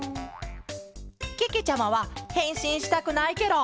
けけちゃまはへんしんしたくないケロ！